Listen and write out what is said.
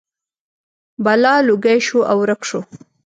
بلا لوګی شو او ورک شو.